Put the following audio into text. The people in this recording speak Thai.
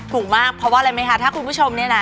ถูกมากเพราะว่าอะไรไหมคะถ้าคุณผู้ชมเนี่ยนะ